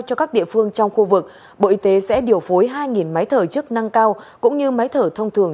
cho các địa phương trong khu vực bộ y tế sẽ điều phối hai máy thở chức năng cao cũng như máy thở thông thường